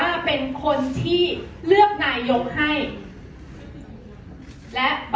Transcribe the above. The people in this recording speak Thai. อ๋อแต่มีอีกอย่างนึงค่ะ